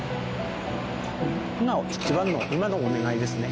一番の今のお願いですね。